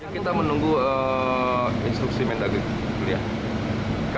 kita menunggu instruksi menteri dalam negeri tito karnavian